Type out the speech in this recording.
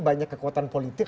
banyak kekuatan politik